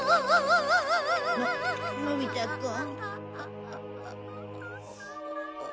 ののび太くん？